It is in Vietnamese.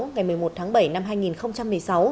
ngày một mươi một tháng bảy năm hai nghìn một mươi sáu